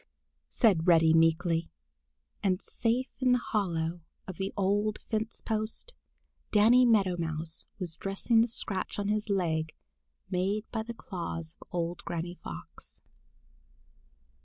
"Yes'm," said Reddy meekly. And safe in the hollow of the old fence post, Danny Meadow Mouse was dressing the scratch on his leg made by the claws of old Granny Fox.